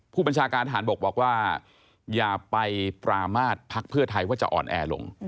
ผู้บัญชาการทหารบกบอกว่าอย่าไปปรามาทพักเพื่อไทยว่าจะอ่อนแอลง